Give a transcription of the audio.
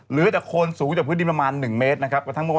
หรือจะคนสูงจากพื้นที่ประมาณ๑เมตรนะครับ